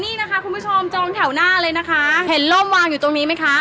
นี่นะคะคุณผู้ชมจองแถวหน้าเลยนะคะเห็นร่มวางอยู่ตรงนี้ไหมคะ